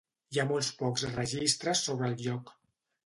Hi ha molt pocs registres sobre el lloc.